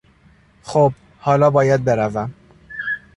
خب، حالا باید بروم.